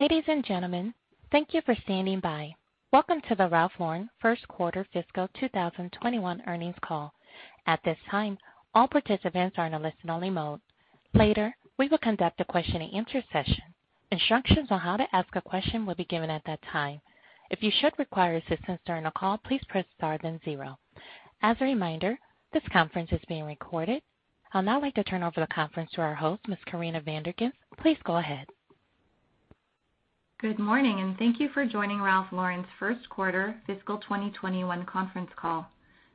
Ladies and gentlemen, thank you for standing by. Welcome to the Ralph Lauren first quarter fiscal 2021 earnings call. At this time, all participants are in a listen-only mode. Later, we will conduct a question-and-answer session. Instructions on how to ask a question will be given at that time. If you should require assistance during the call, please press star then zero. As a reminder, this conference is being recorded. I'll now like to turn over the conference to our host, Ms. Corinna Van Der Ghinst. Please go ahead. Good morning, thank you for joining Ralph Lauren's first quarter fiscal 2021 conference call.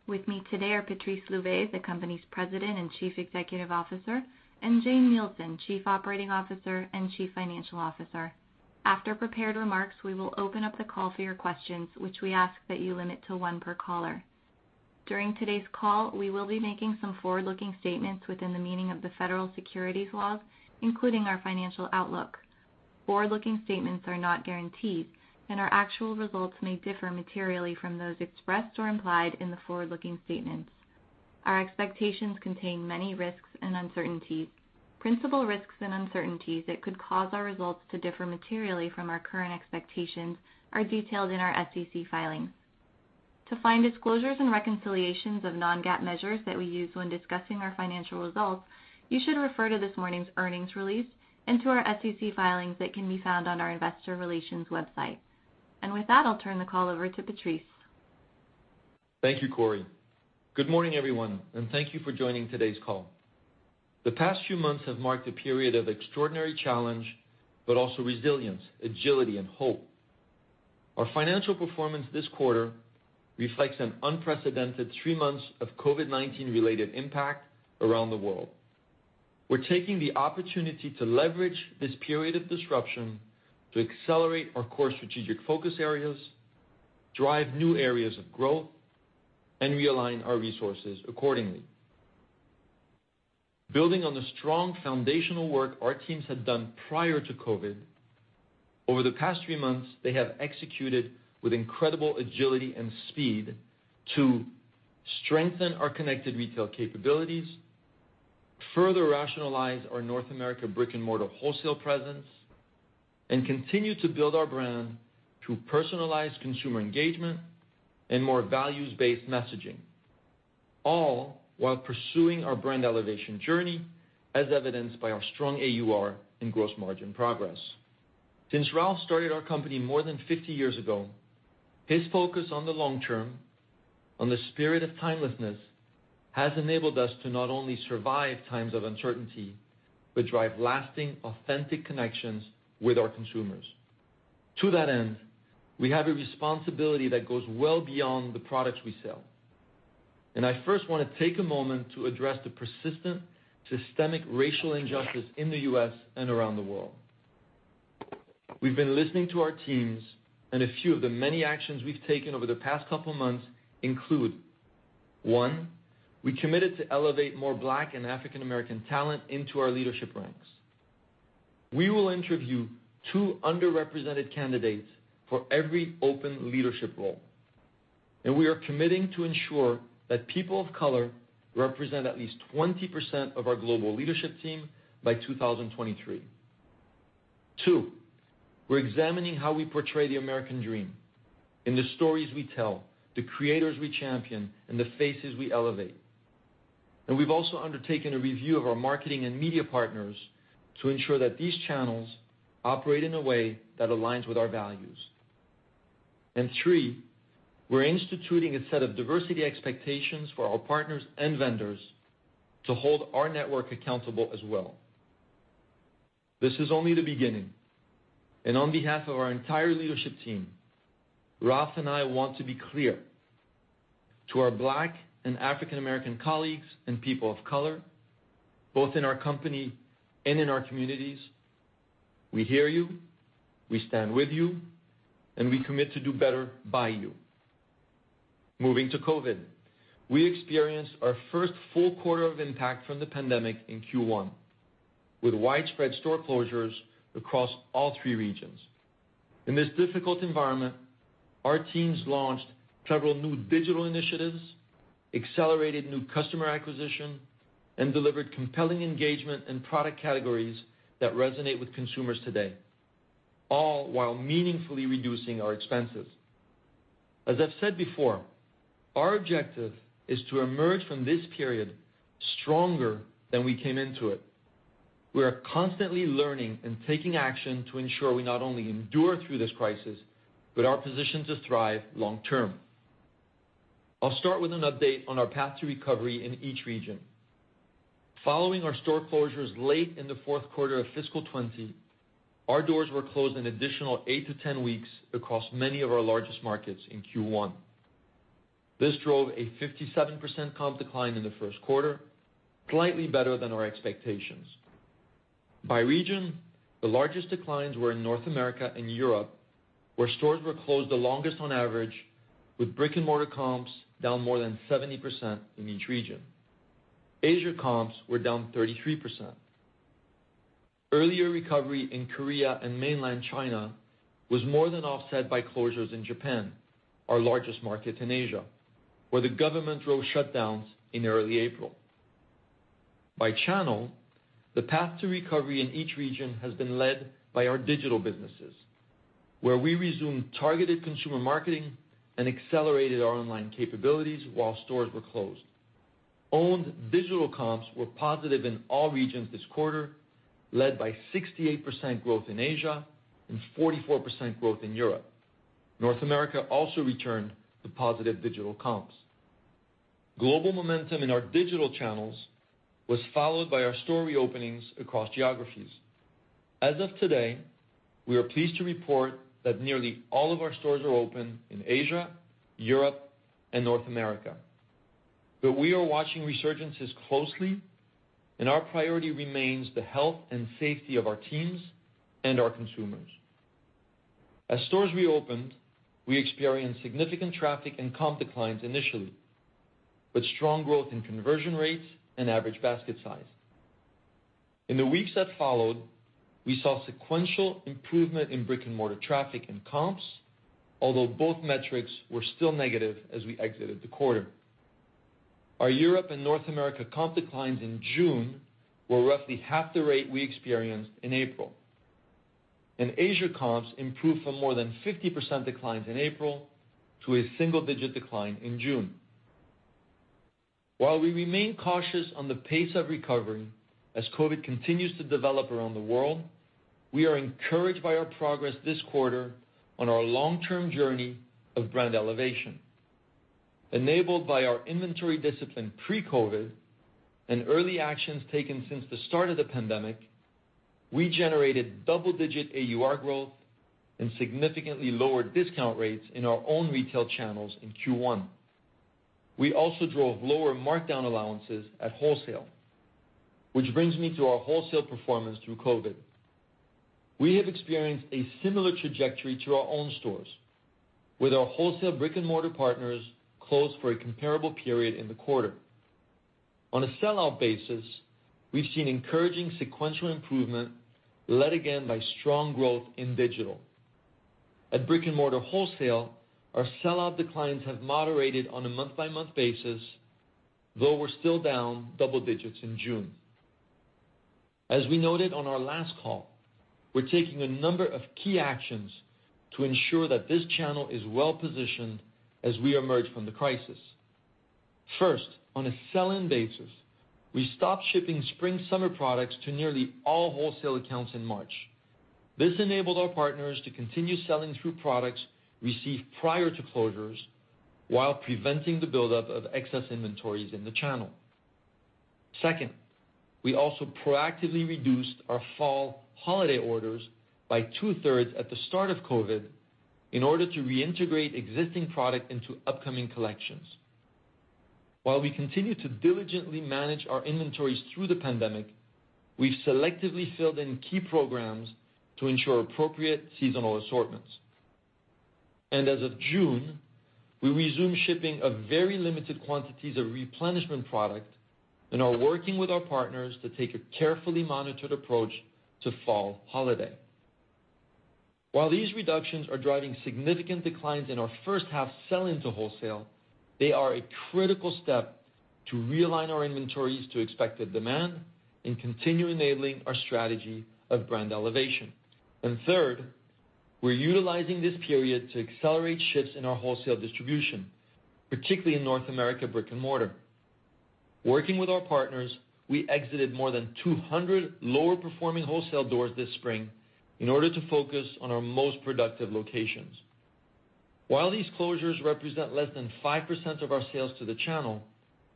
With me today are Patrice Louvet, the company's President and Chief Executive Officer, and Jane Nielsen, Chief Operating Officer and Chief Financial Officer. After prepared remarks, we will open up the call for your questions, which we ask that you limit to one per caller. During today's call, we will be making some forward-looking statements within the meaning of the federal securities laws, including our financial outlook. Forward-looking statements are not guarantees, and our actual results may differ materially from those expressed or implied in the forward-looking statements. Our expectations contain many risks and uncertainties. Principal risks and uncertainties that could cause our results to differ materially from our current expectations are detailed in our SEC filings. To find disclosures and reconciliations of non-GAAP measures that we use when discussing our financial results, you should refer to this morning's earnings release and to our SEC filings that can be found on our investor relations website. With that, I'll turn the call over to Patrice. Thank you, Corinna. Good morning, everyone, and thank you for joining today's call. The past few months have marked a period of extraordinary challenge, but also resilience, agility, and hope. Our financial performance this quarter reflects an unprecedented three months of COVID-19 related impact around the world. We're taking the opportunity to leverage this period of disruption to accelerate our core strategic focus areas, drive new areas of growth, and realign our resources accordingly. Building on the strong foundational work our teams had done prior to COVID, over the past three months, they have executed with incredible agility and speed to strengthen our connected retail capabilities, further rationalize our North America brick-and-mortar wholesale presence, and continue to build our brand through personalized consumer engagement and more values-based messaging, all while pursuing our brand elevation journey, as evidenced by our strong AUR and gross margin progress. Since Ralph started our company more than 50 years ago, his focus on the long term, on the spirit of timelessness, has enabled us to not only survive times of uncertainty, but drive lasting, authentic connections with our consumers. To that end, we have a responsibility that goes well beyond the products we sell. I first want to take a moment to address the persistent, systemic racial injustice in the U.S. and around the world. We've been listening to our teams, and a few of the many actions we've taken over the past couple of months include, one, we committed to elevate more Black and African American talent into our leadership ranks. We will interview two underrepresented candidates for every open leadership role, and we are committing to ensure that people of color represent at least 20% of our global leadership team by 2023. Two, we're examining how we portray the American dream in the stories we tell, the creators we champion, and the faces we elevate. We've also undertaken a review of our marketing and media partners to ensure that these channels operate in a way that aligns with our values. Three, we're instituting a set of diversity expectations for our partners and vendors to hold our network accountable as well. This is only the beginning, and on behalf of our entire leadership team, Ralph and I want to be clear. To our Black and African American colleagues and people of color, both in our company and in our communities, we hear you, we stand with you, and we commit to do better by you. Moving to COVID. We experienced our first full quarter of impact from the pandemic in Q1, with widespread store closures across all three regions. In this difficult environment, our teams launched several new digital initiatives, accelerated new customer acquisition, and delivered compelling engagement and product categories that resonate with consumers today, all while meaningfully reducing our expenses. As I've said before, our objective is to emerge from this period stronger than we came into it. We are constantly learning and taking action to ensure we not only endure through this crisis, but are positioned to thrive long term. I'll start with an update on our path to recovery in each region. Following our store closures late in the fourth quarter of fiscal 2020, our doors were closed an additional 8-10 weeks across many of our largest markets in Q1 2021. This drove a 57% comp decline in the first quarter, slightly better than our expectations. By region, the largest declines were in North America and Europe, where stores were closed the longest on average, with brick-and-mortar comps down more than 70% in each region. Asia comps were down 33%. Earlier recovery in Korea and mainland China was more than offset by closures in Japan, our largest market in Asia, where the government drove shutdowns in early April. By channel, the path to recovery in each region has been led by our digital businesses, where we resumed targeted consumer marketing and accelerated our online capabilities while stores were closed. Owned digital comps were positive in all regions this quarter, led by 68% growth in Asia and 44% growth in Europe. North America also returned to positive digital comps. Global momentum in our digital channels was followed by our store reopenings across geographies. As of today, we are pleased to report that nearly all of our stores are open in Asia, Europe, and North America. We are watching resurgences closely, and our priority remains the health and safety of our teams and our consumers. As stores reopened, we experienced significant traffic and comp declines initially, but strong growth in conversion rates and average basket size. In the weeks that followed, we saw sequential improvement in brick-and-mortar traffic and comps, although both metrics were still negative as we exited the quarter. Our Europe and North America comp declines in June were roughly half the rate we experienced in April. Asia comps improved from more than 50% declines in April to a single-digit decline in June. While we remain cautious on the pace of recovery, as COVID continues to develop around the world, we are encouraged by our progress this quarter on our long-term journey of brand elevation. Enabled by our inventory discipline pre-COVID and early actions taken since the start of the pandemic, we generated double-digit AUR growth and significantly lower discount rates in our own retail channels in Q1. We also drove lower markdown allowances at wholesale, which brings me to our wholesale performance through COVID. We have experienced a similar trajectory to our own stores, with our wholesale brick-and-mortar partners closed for a comparable period in the quarter. On a sell-out basis, we've seen encouraging sequential improvement led again by strong growth in digital. At brick-and-mortar wholesale, our sell-out declines have moderated on a month-by-month basis, though we're still down double digits in June. As we noted on our last call, we're taking a number of key actions to ensure that this channel is well-positioned as we emerge from the crisis. First, on a sell-in basis, we stopped shipping spring/summer products to nearly all wholesale accounts in March. This enabled our partners to continue selling through products received prior to closures while preventing the buildup of excess inventories in the channel. Second, we also proactively reduced our fall holiday orders by two-thirds at the start of COVID-19 in order to reintegrate existing product into upcoming collections. While we continue to diligently manage our inventories through the pandemic, we've selectively filled in key programs to ensure appropriate seasonal assortments. As of June, we resumed shipping of very limited quantities of replenishment product and are working with our partners to take a carefully monitored approach to fall holiday. While these reductions are driving significant declines in our first-half sell-in to wholesale, they are a critical step to realign our inventories to expected demand and continue enabling our strategy of brand elevation. Third, we're utilizing this period to accelerate shifts in our wholesale distribution, particularly in North America brick-and-mortar. Working with our partners, we exited more than 200 lower-performing wholesale doors this spring in order to focus on our most productive locations. While these closures represent less than 5% of our sales to the channel,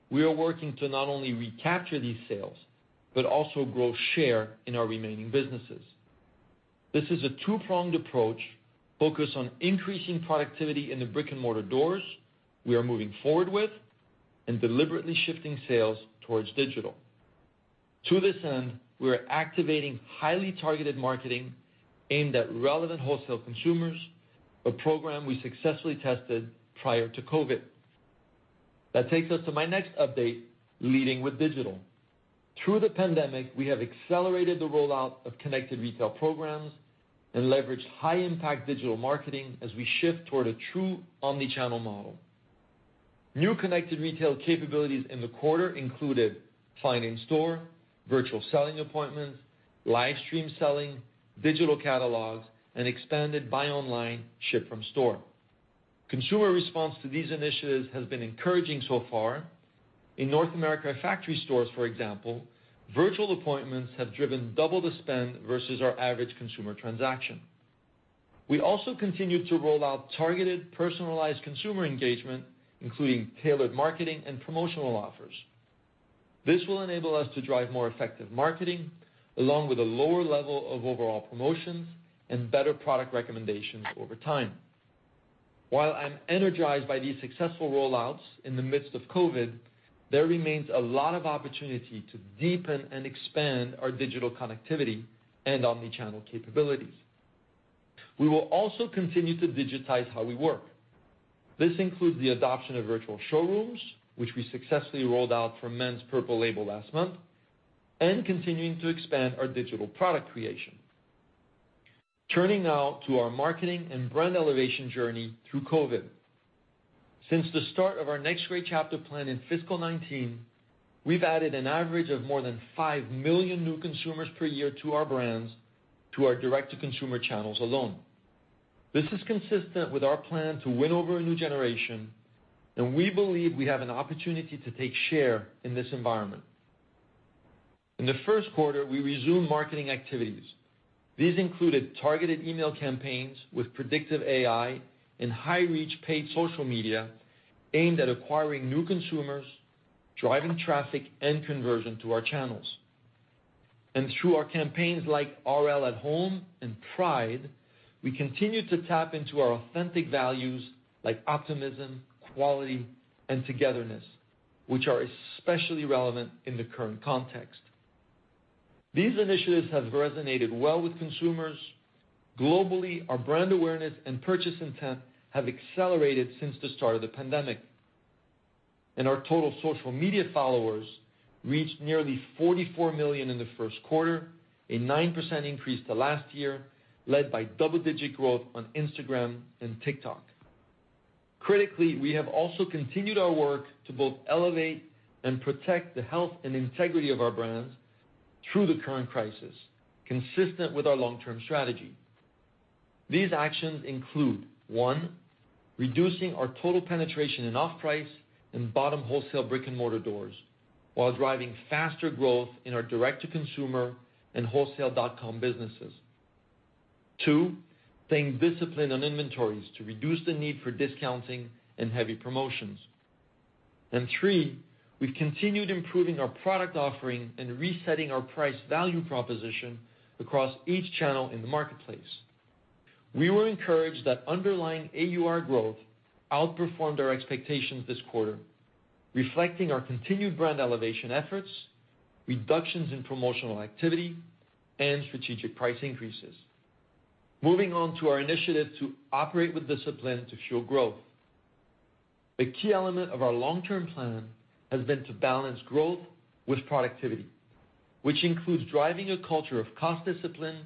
we are working to not only recapture these sales, but also grow share in our remaining businesses. This is a two-pronged approach focused on increasing productivity in the brick-and-mortar doors we are moving forward with and deliberately shifting sales towards digital. To this end, we are activating highly targeted marketing aimed at relevant wholesale consumers, a program we successfully tested prior to COVID. That takes us to my next update, leading with digital. Through the pandemic, we have accelerated the rollout of connected retail programs and leveraged high-impact digital marketing as we shift toward a true omni-channel model. New connected retail capabilities in the quarter included find in store, virtual selling appointments, livestream selling, digital catalogs, and expanded buy online, ship from store. Consumer response to these initiatives has been encouraging so far. In North America factory stores, for example, virtual appointments have driven double the spend versus our average consumer transaction. We also continued to roll out targeted personalized consumer engagement, including tailored marketing and promotional offers. This will enable us to drive more effective marketing, along with a lower level of overall promotions and better product recommendations over time. While I'm energized by these successful rollouts in the midst of COVID, there remains a lot of opportunity to deepen and expand our digital connectivity and omni-channel capabilities. We will also continue to digitize how we work. This includes the adoption of virtual showrooms, which we successfully rolled out for men's Purple Label last month, and continuing to expand our digital product creation. Turning now to our marketing and brand elevation journey through COVID. Since the start of our Next Great Chapter plan in fiscal 2019, we've added an average of more than 5 million new consumers per year to our brands through our direct-to-consumer channels alone. This is consistent with our plan to win over a new generation, and we believe we have an opportunity to take share in this environment. In the first quarter, we resumed marketing activities. These included targeted email campaigns with predictive AI and high-reach paid social media aimed at acquiring new consumers, driving traffic, and conversion to our channels. Through our campaigns like RL At Home and Pride, we continue to tap into our authentic values like optimism, quality, and togetherness, which are especially relevant in the current context. These initiatives have resonated well with consumers. Globally, our brand awareness and purchase intent have accelerated since the start of the pandemic. Our total social media followers reached nearly 44 million in the first quarter, a 9% increase to last year, led by double-digit growth on Instagram and TikTok. Critically, we have also continued our work to both elevate and protect the health and integrity of our brands through the current crisis, consistent with our long-term strategy. These actions include, one, reducing our total penetration in off-price and bottom wholesale brick-and-mortar doors while driving faster growth in our direct-to-consumer and wholesale.com businesses. Two, staying disciplined on inventories to reduce the need for discounting and heavy promotions. Three, we've continued improving our product offering and resetting our price-value proposition across each channel in the marketplace. We were encouraged that underlying AUR growth outperformed our expectations this quarter, reflecting our continued brand elevation efforts, reductions in promotional activity, and strategic price increases. Moving on to our initiative to operate with discipline to fuel growth. A key element of our long-term plan has been to balance growth with productivity, which includes driving a culture of cost discipline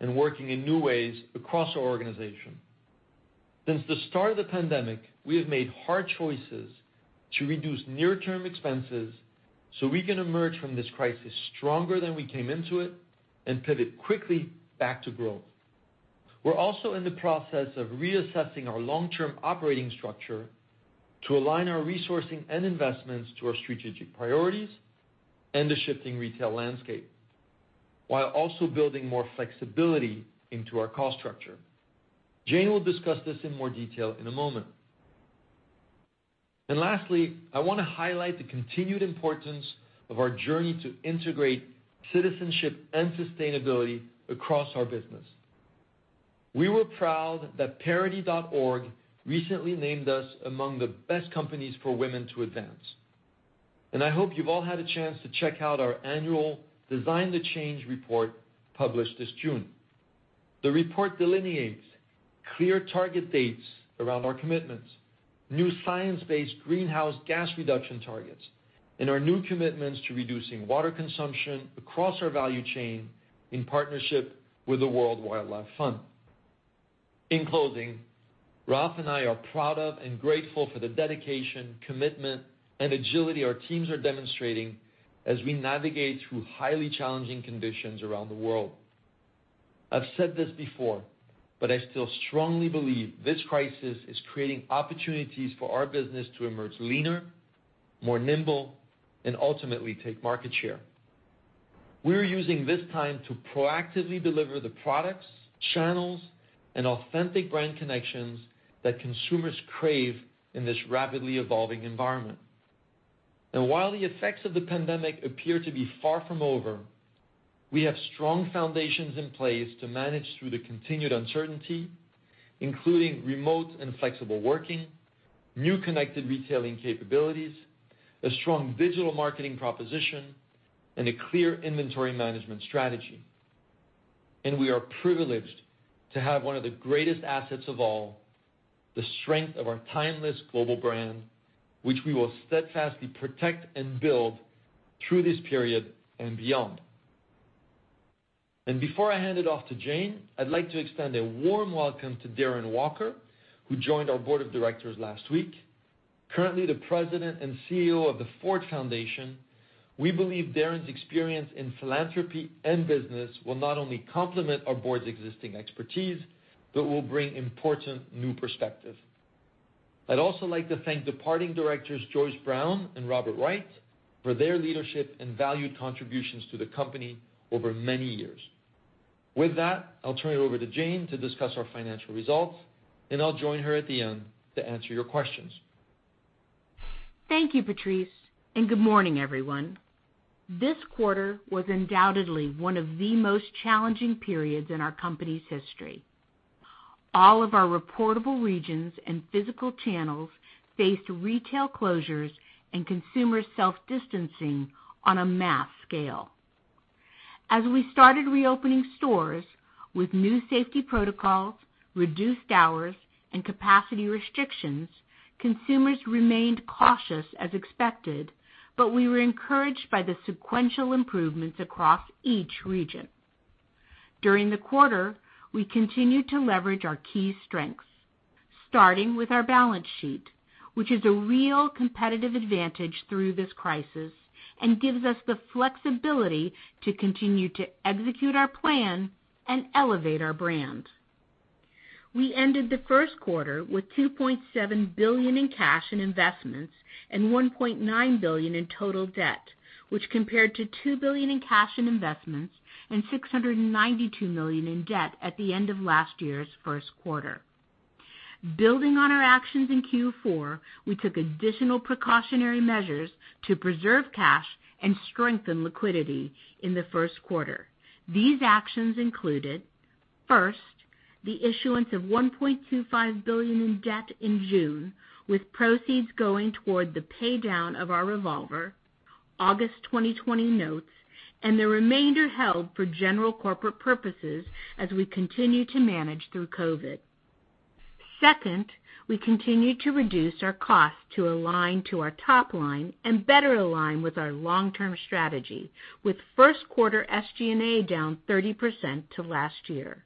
and working in new ways across our organization. Since the start of the pandemic, we have made hard choices to reduce near-term expenses so we can emerge from this crisis stronger than we came into it and pivot quickly back to growth. We're also in the process of reassessing our long-term operating structure to align our resourcing and investments to our strategic priorities and the shifting retail landscape while also building more flexibility into our cost structure. Jane will discuss this in more detail in a moment. Lastly, I want to highlight the continued importance of our journey to integrate citizenship and sustainability across our business. We were proud that Parity.Org recently named us among the best companies for women to advance. I hope you've all had a chance to check out our annual Design the Change report published this June. The report delineates clear target dates around our commitments, new science-based greenhouse gas reduction targets, and our new commitments to reducing water consumption across our value chain in partnership with the World Wildlife Fund. In closing, Ralph and I are proud of and grateful for the dedication, commitment, and agility our teams are demonstrating as we navigate through highly challenging conditions around the world. I've said this before, but I still strongly believe this crisis is creating opportunities for our business to emerge leaner, more nimble, and ultimately take market share. We are using this time to proactively deliver the products, channels, and authentic brand connections that consumers crave in this rapidly evolving environment. While the effects of the pandemic appear to be far from over, we have strong foundations in place to manage through the continued uncertainty, including remote and flexible working, new connected retailing capabilities, a strong digital marketing proposition, and a clear inventory management strategy. We are privileged to have one of the greatest assets of all, the strength of our timeless global brand, which we will steadfastly protect and build through this period and beyond. Before I hand it off to Jane, I'd like to extend a warm welcome to Darren Walker, who joined our board of directors last week. Currently the President and CEO of the Ford Foundation, we believe Darren's experience in philanthropy and business will not only complement our board's existing expertise, but will bring important new perspective. I'd also like to thank departing directors Joyce Brown and Robert Wright for their leadership and valued contributions to the company over many years. With that, I'll turn it over to Jane to discuss our financial results, and I'll join her at the end to answer your questions. Thank you, Patrice, and good morning, everyone. This quarter was undoubtedly one of the most challenging periods in our company's history. All of our reportable regions and physical channels faced retail closures and consumer self-distancing on a mass scale. We started reopening stores with new safety protocols, reduced hours, and capacity restrictions, consumers remained cautious as expected, but we were encouraged by the sequential improvements across each region. During the quarter, we continued to leverage our key strengths, starting with our balance sheet, which is a real competitive advantage through this crisis and gives us the flexibility to continue to execute our plan and elevate our brand. We ended the first quarter with $2.7 billion in cash and investments and $1.9 billion in total debt, which compared to $2 billion in cash and investments and $692 million in debt at the end of last year's first quarter. Building on our actions in Q4, we took additional precautionary measures to preserve cash and strengthen liquidity in the first quarter. These actions included, first, the issuance of $1.25 billion in debt in June, with proceeds going toward the paydown of our revolver, August 2020 notes, and the remainder held for general corporate purposes as we continue to manage through COVID. Second, we continued to reduce our costs to align to our top line and better align with our long-term strategy, with first quarter SG&A down 30% to last year.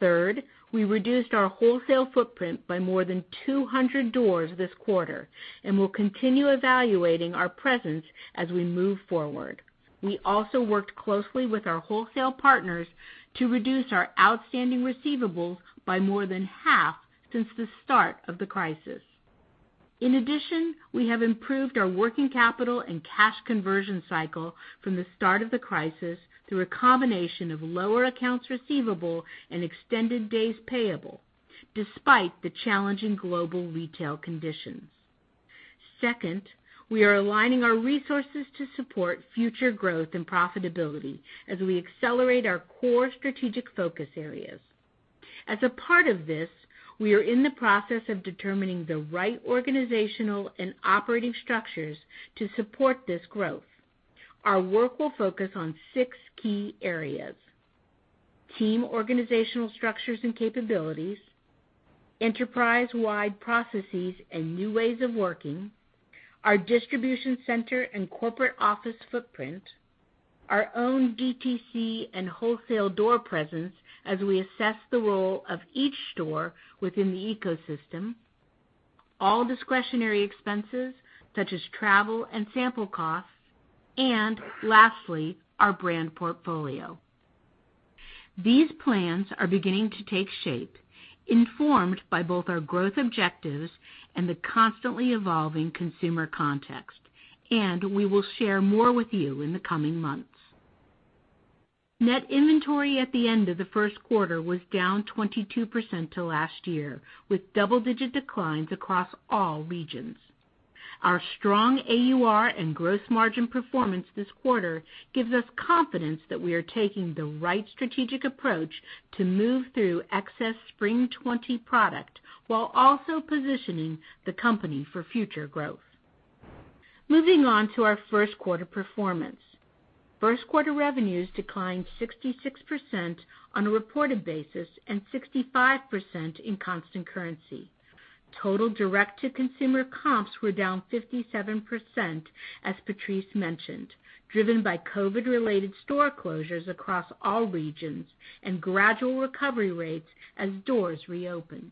Third, we reduced our wholesale footprint by more than 200 doors this quarter, and we'll continue evaluating our presence as we move forward. We also worked closely with our wholesale partners to reduce our outstanding receivables by more than half since the start of the crisis. In addition, we have improved our working capital and cash conversion cycle from the start of the crisis through a combination of lower accounts receivable and extended days payable, despite the challenging global retail conditions. Second, we are aligning our resources to support future growth and profitability as we accelerate our core strategic focus areas. As a part of this, we are in the process of determining the right organizational and operating structures to support this growth. Our work will focus on six key areas: team organizational structures and capabilities, enterprise-wide processes and new ways of working, our distribution center and corporate office footprint, our own DTC and wholesale door presence as we assess the role of each store within the ecosystem, all discretionary expenses such as travel and sample costs, and lastly, our brand portfolio. These plans are beginning to take shape, informed by both our growth objectives and the constantly evolving consumer context. We will share more with you in the coming months. Net inventory at the end of the first quarter was down 22% to last year, with double-digit declines across all regions. Our strong AUR and gross margin performance this quarter gives us confidence that we are taking the right strategic approach to move through excess spring 2020 product, while also positioning the company for future growth. Moving on to our first quarter performance. First quarter revenues declined 66% on a reported basis and 65% in constant currency. Total direct-to-consumer comps were down 57%, as Patrice mentioned, driven by COVID-related store closures across all regions and gradual recovery rates as doors reopened.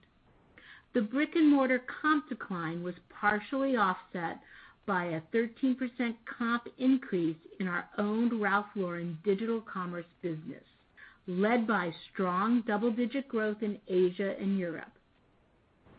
The brick-and-mortar comp decline was partially offset by a 13% comp increase in our owned Ralph Lauren digital commerce business, led by strong double-digit growth in Asia and Europe.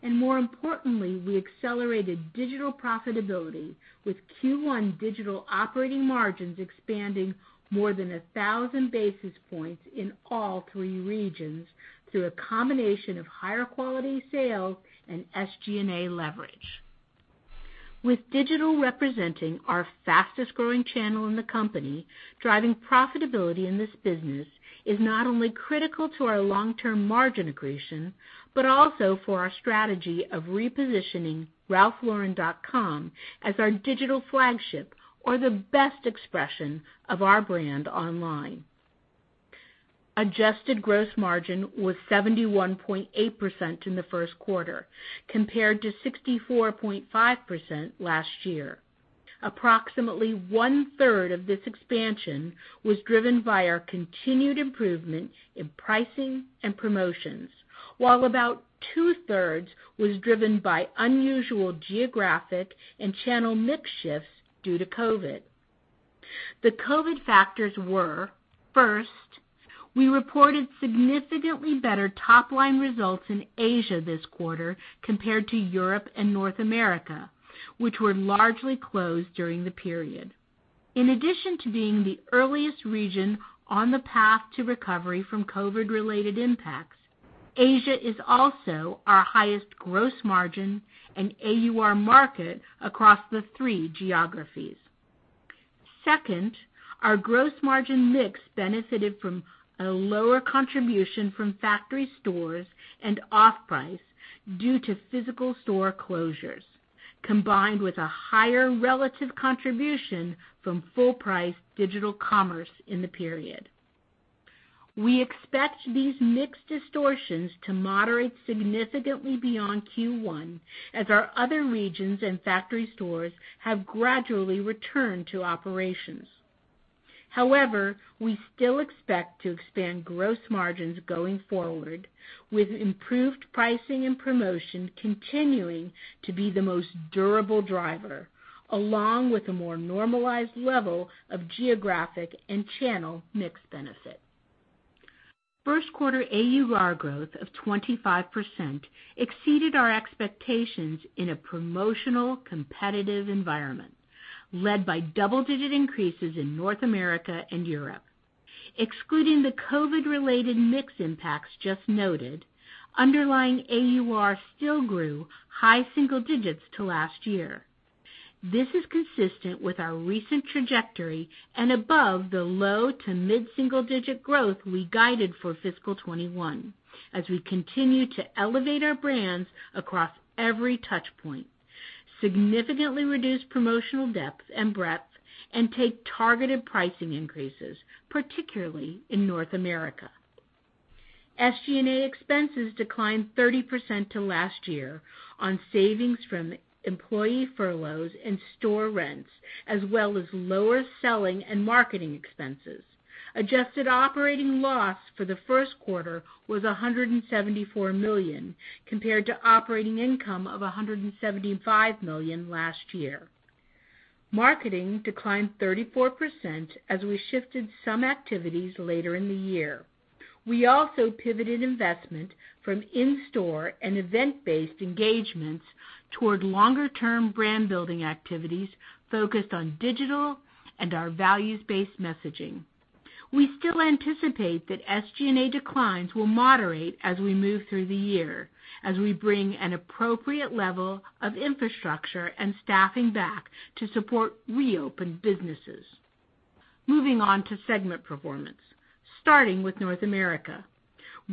More importantly, we accelerated digital profitability with Q1 digital operating margins expanding more than 1,000 basis points in all three regions through a combination of higher-quality sales and SG&A leverage. With digital representing our fastest-growing channel in the company, driving profitability in this business is not only critical to our long-term margin accretion, but also for our strategy of repositioning ralphlauren.com as our digital flagship or the best expression of our brand online. Adjusted gross margin was 71.8% in the first quarter, compared to 64.5% last year. Approximately one-third of this expansion was driven by our continued improvement in pricing and promotions, while about two-thirds was driven by unusual geographic and channel mix shifts due to COVID. The COVID factors were, first, we reported significantly better top-line results in Asia this quarter compared to Europe and North America, which were largely closed during the period. In addition to being the earliest region on the path to recovery from COVID-related impacts, Asia is also our highest gross margin and AUR market across the three geographies. Second, our gross margin mix benefited from a lower contribution from factory stores and off-price due to physical store closures, combined with a higher relative contribution from full-price digital commerce in the period. We expect these mix distortions to moderate significantly beyond Q1 as our other regions and factory stores have gradually returned to operations. We still expect to expand gross margins going forward with improved pricing and promotion continuing to be the most durable driver, along with a more normalized level of geographic and channel mix benefit. First quarter AUR growth of 25% exceeded our expectations in a promotional, competitive environment led by double-digit increases in North America and Europe. Excluding the COVID-related mix impacts just noted, underlying AUR still grew high single digits to last year. This is consistent with our recent trajectory and above the low to mid-single-digit growth we guided for FY 2021 as we continue to elevate our brands across every touch point, significantly reduce promotional depth and breadth, and take targeted pricing increases, particularly in North America. SG&A expenses declined 30% to last year on savings from employee furloughs and store rents, as well as lower selling and marketing expenses. Adjusted operating loss for the first quarter was $174 million compared to operating income of $175 million last year. Marketing declined 34% as we shifted some activities later in the year. We also pivoted investment from in-store and event-based engagements toward longer-term brand-building activities focused on digital and our values-based messaging. We still anticipate that SG&A declines will moderate as we move through the year as we bring an appropriate level of infrastructure and staffing back to support reopened businesses. Moving on to segment performance, starting with North America.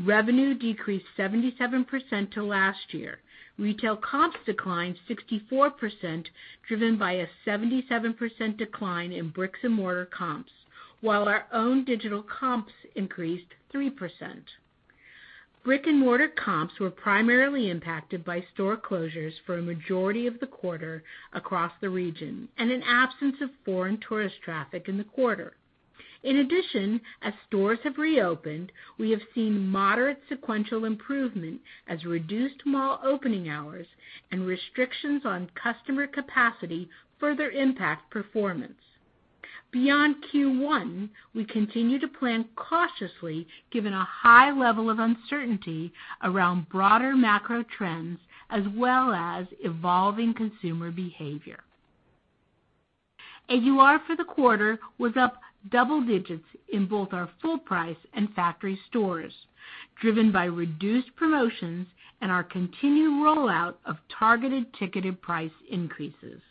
Revenue decreased 77% to last year. Retail comps declined 64%, driven by a 77% decline in bricks and mortar comps, while our own digital comps increased 3%. Brick-and-mortar comps were primarily impacted by store closures for a majority of the quarter across the region and an absence of foreign tourist traffic in the quarter. As stores have reopened, we have seen moderate sequential improvement as reduced mall opening hours and restrictions on customer capacity further impact performance. Beyond Q1, we continue to plan cautiously given a high level of uncertainty around broader macro trends as well as evolving consumer behavior. AUR for the quarter was up double digits in both our full price and factory stores, driven by reduced promotions and our continued rollout of targeted ticketed price increases.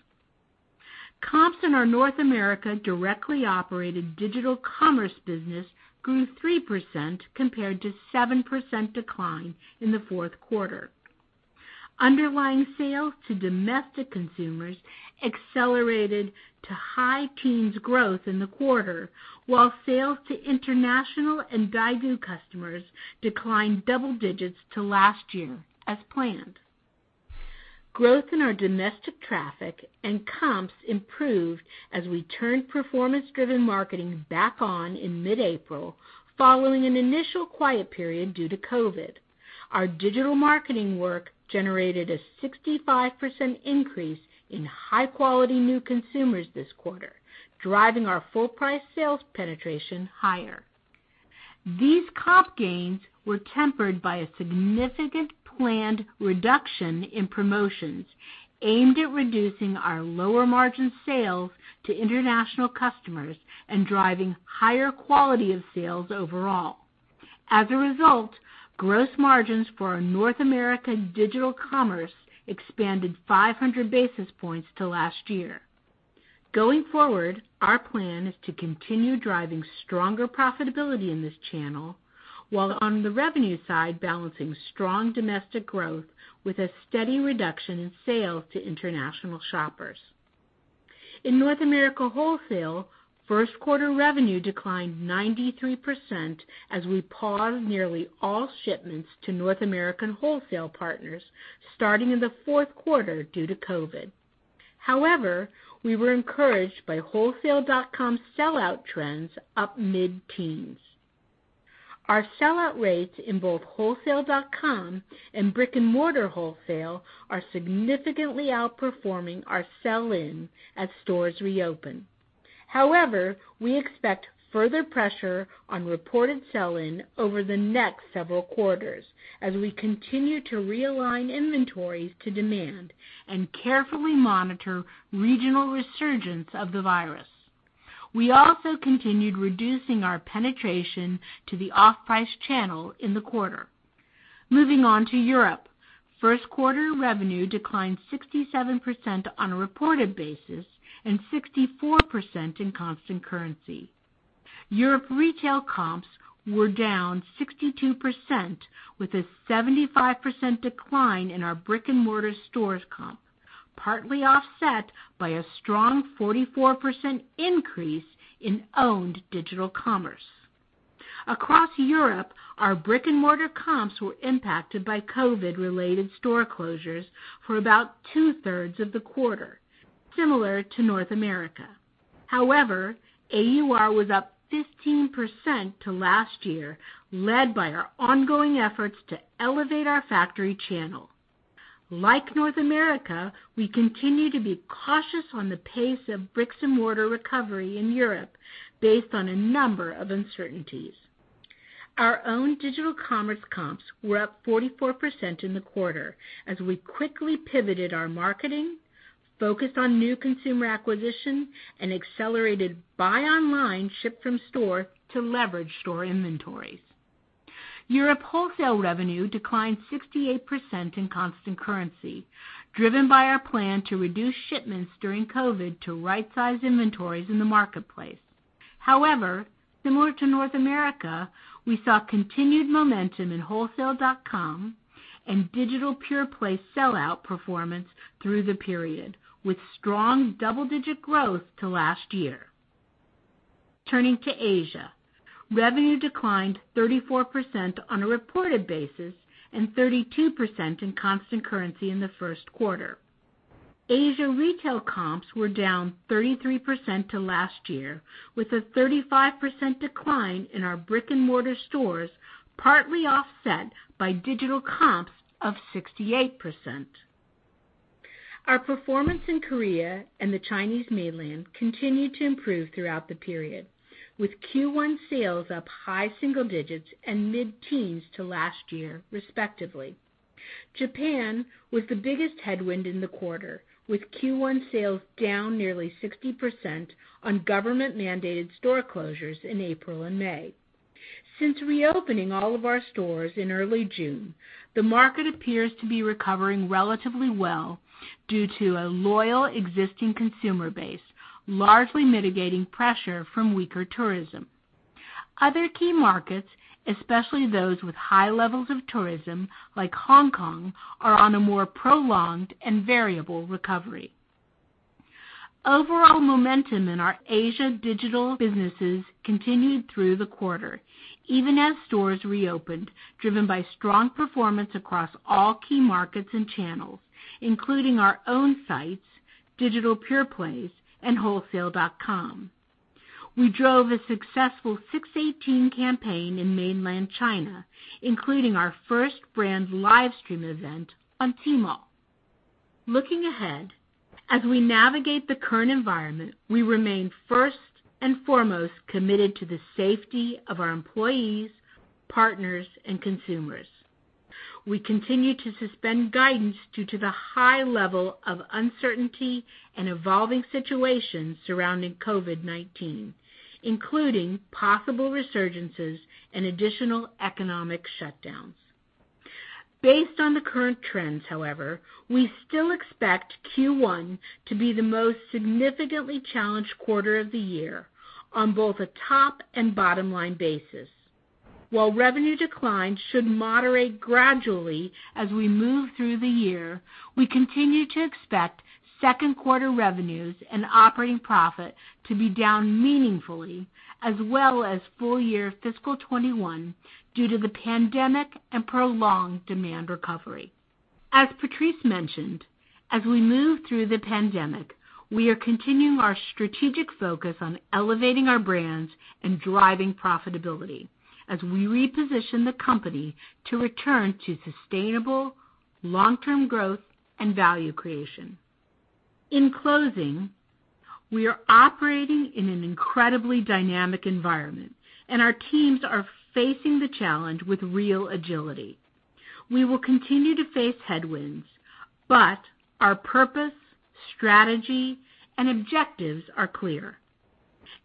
Comps in our North America directly operated digital commerce business grew 3% compared to 7% decline in the fourth quarter. Underlying sales to domestic consumers accelerated to high teens growth in the quarter while sales to international and daigou customers declined double digits to last year as planned. Growth in our domestic traffic and comps improved as we turned performance-driven marketing back on in mid-April following an initial quiet period due to COVID. Our digital marketing work generated a 65% increase in high-quality new consumers this quarter, driving our full price sales penetration higher. These comp gains were tempered by a significant planned reduction in promotions aimed at reducing our lower margin sales to international customers and driving higher quality of sales overall. As a result, gross margins for our North America digital commerce expanded 500 basis points to last year. Going forward, our plan is to continue driving stronger profitability in this channel, while on the revenue side, balancing strong domestic growth with a steady reduction in sales to international shoppers. In North America wholesale, first quarter revenue declined 93% as we paused nearly all shipments to North American wholesale partners starting in the fourth quarter due to COVID. However, we were encouraged by wholesale.com sellout trends up mid-teens. Our sellout rates in both wholesale.com and brick-and-mortar wholesale are significantly outperforming our sell-in as stores reopen. We expect further pressure on reported sell-in over the next several quarters as we continue to realign inventories to demand and carefully monitor regional resurgence of the virus. We also continued reducing our penetration to the off-price channel in the quarter. Moving on to Europe. First quarter revenue declined 67% on a reported basis and 64% in constant currency. Europe retail comps were down 62% with a 75% decline in our brick-and-mortar stores comp, partly offset by a strong 44% increase in owned digital commerce. Across Europe, our brick-and-mortar comps were impacted by COVID-related store closures for about two-thirds of the quarter, similar to North America. AUR was up 15% to last year, led by our ongoing efforts to elevate our factory channel. Like North America, we continue to be cautious on the pace of bricks-and-mortar recovery in Europe based on a number of uncertainties. Our own digital commerce comps were up 44% in the quarter as we quickly pivoted our marketing, focused on new consumer acquisition, and accelerated buy online, ship from store to leverage store inventories. Europe wholesale revenue declined 68% in constant currency, driven by our plan to reduce shipments during COVID to right-size inventories in the marketplace. Similar to North America, we saw continued momentum in wholesale.com and digital pure play sellout performance through the period, with strong double-digit growth to last year. Turning to Asia, revenue declined 34% on a reported basis and 32% in constant currency in the first quarter. Asia retail comps were down 33% to last year, with a 35% decline in our brick-and-mortar stores, partly offset by digital comps of 68%. Our performance in Korea and the Chinese Mainland continued to improve throughout the period, with Q1 sales up high single digits and mid-teens to last year respectively. Japan was the biggest headwind in the quarter, with Q1 sales down nearly 60% on government-mandated store closures in April and May. Since reopening all of our stores in early June, the market appears to be recovering relatively well due to a loyal existing consumer base, largely mitigating pressure from weaker tourism. Other key markets, especially those with high levels of tourism like Hong Kong, are on a more prolonged and variable recovery. Overall momentum in our Asia digital businesses continued through the quarter, even as stores reopened, driven by strong performance across all key markets and channels, including our own sites, digital pure plays, and wholesale.com. We drove a successful 618 campaign in mainland China, including our first brand live stream event on Tmall. Looking ahead, as we navigate the current environment, we remain first and foremost committed to the safety of our employees, partners, and consumers. We continue to suspend guidance due to the high level of uncertainty and evolving situation surrounding COVID-19, including possible resurgences and additional economic shutdowns. Based on the current trends, however, we still expect Q1 to be the most significantly challenged quarter of the year on both a top and bottom-line basis. While revenue decline should moderate gradually as we move through the year, we continue to expect second quarter revenues and operating profit to be down meaningfully as well as full year fiscal 2021 due to the pandemic and prolonged demand recovery. As Patrice mentioned, as we move through the pandemic, we are continuing our strategic focus on elevating our brands and driving profitability as we reposition the company to return to sustainable long-term growth and value creation. In closing, we are operating in an incredibly dynamic environment, and our teams are facing the challenge with real agility. We will continue to face headwinds, but our purpose, strategy, and objectives are clear.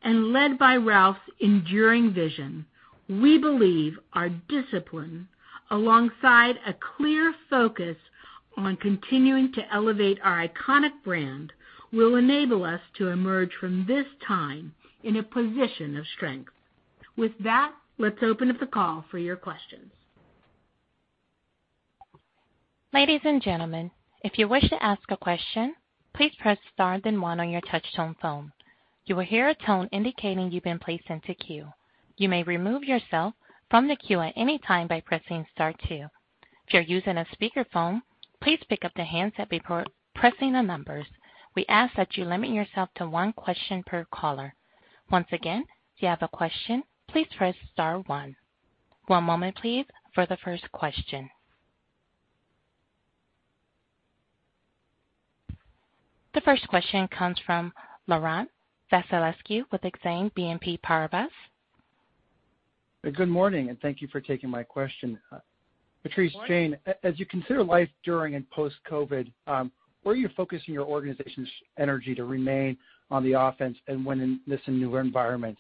Led by Ralph's enduring vision, we believe our discipline, alongside a clear focus on continuing to elevate our iconic brand, will enable us to emerge from this time in a position of strength. With that, let's open up the call for your questions. Ladies and gentlemen, if you wish to ask a question, please press star then one on your touch-tone phone. You will hear a tone indicating you've been placed into queue. You may remove yourself from the queue at any time by pressing star two. If you're using a speakerphone, please pick up the handset before pressing the numbers. We ask that you limit yourself to one question per caller. Once again, if you have a question, please press star one. One moment please for the first question. The first question comes from Laurent Vasilescu with Exane BNP Paribas. Good morning. Thank you for taking my question. Patrice, Jane, as you consider life during and post-COVID-19, where are you focusing your organization's energy to remain on the offense and win in this new environment?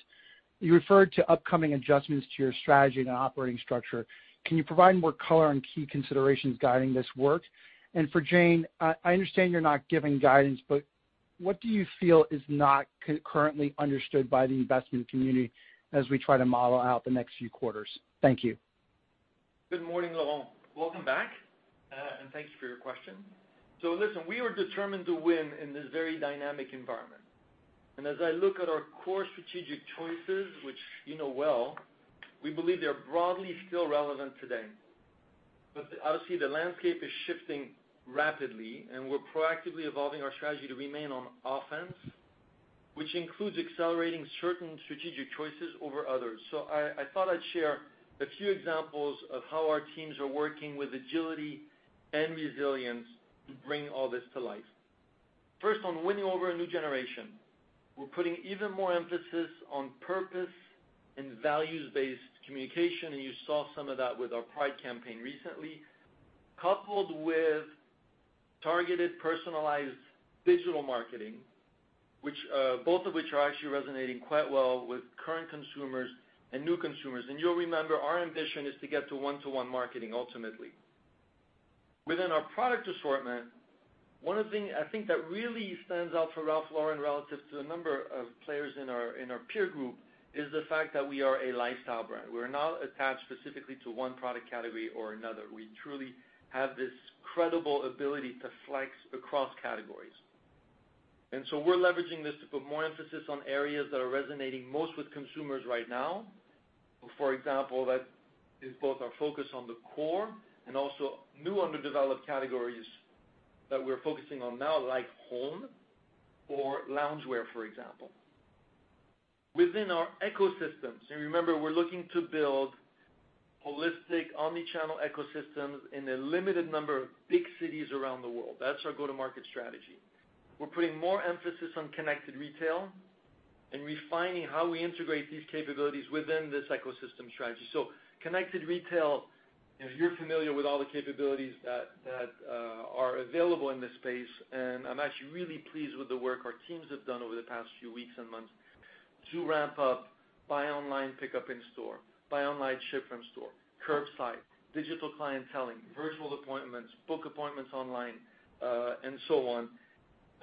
You referred to upcoming adjustments to your strategy and operating structure. Can you provide more color on key considerations guiding this work? For Jane, I understand you're not giving guidance, but what do you feel is not currently understood by the investment community as we try to model out the next few quarters? Thank you. Good morning, Laurent. Welcome back, thanks for your question. Listen, we are determined to win in this very dynamic environment. As I look at our core strategic choices, which you know well, we believe they are broadly still relevant today. Obviously, the landscape is shifting rapidly, and we're proactively evolving our strategy to remain on offense, which includes accelerating certain strategic choices over others. I thought I'd share a few examples of how our teams are working with agility and resilience to bring all this to life. First, on winning over a new generation. We're putting even more emphasis on purpose and values-based communication, and you saw some of that with our Pride campaign recently, coupled with targeted personalized digital marketing, both of which are actually resonating quite well with current consumers and new consumers. You'll remember our ambition is to get to one-to-one marketing ultimately. Within our product assortment, one of the things I think that really stands out for Ralph Lauren relative to the number of players in our peer group is the fact that we are a lifestyle brand. We're not attached specifically to one product category or another. We truly have this credible ability to flex across categories. We're leveraging this to put more emphasis on areas that are resonating most with consumers right now. For example, that is both our focus on the core and also new underdeveloped categories that we're focusing on now, like home or loungewear, for example. Within our ecosystems, and remember, we're looking to build holistic omnichannel ecosystems in a limited number of big cities around the world. That's our go-to-market strategy. We're putting more emphasis on connected retail and refining how we integrate these capabilities within this ecosystem strategy. Connected retail, if you're familiar with all the capabilities that are available in this space, and I'm actually really pleased with the work our teams have done over the past few weeks and months to ramp up buy online, pickup in store, buy online, ship from store, curbside, digital clienteling, virtual appointments, book appointments online, and so on.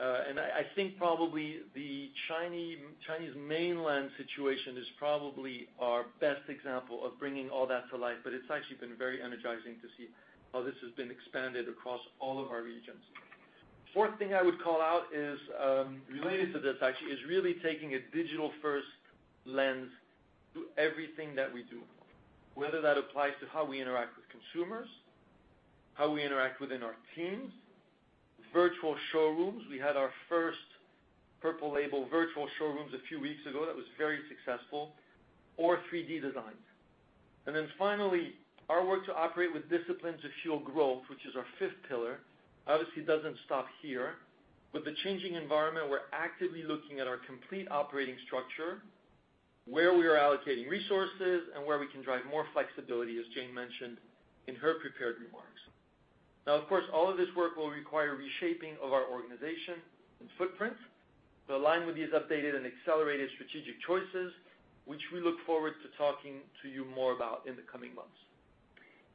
I think probably the Chinese Mainland situation is probably our best example of bringing all that to life, but it's actually been very energizing to see how this has been expanded across all of our regions. Fourth thing I would call out is related to this actually, is really taking a digital-first lens to everything that we do, whether that applies to how we interact with consumers, how we interact within our teams, virtual showrooms. We had our first Purple Label virtual showrooms a few weeks ago, that was very successful, or 3D designs. Finally, our work to operate with discipline to fuel growth, which is our fifth pillar, obviously doesn't stop here. With the changing environment, we're actively looking at our complete operating structure, where we are allocating resources, and where we can drive more flexibility, as Jane mentioned in her prepared remarks. Of course, all of this work will require reshaping of our organization and footprint to align with these updated and accelerated strategic choices, which we look forward to talking to you more about in the coming months.